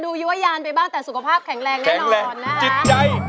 ผู้สุขภาพแข็งแรงหน่อยล่ะ